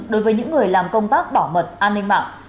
đối với những người làm công tác bảo mật an ninh mạng